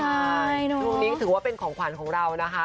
ใช่ช่วงนี้ถือว่าเป็นของขวัญของเรานะคะ